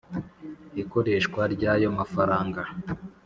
Ikoreshwa ry ayo mafaranga